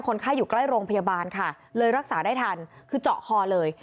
ไข้อยู่ใกล้โรงพยาบาลค่ะเลยรักษาได้ทันคือเจาะคอเลย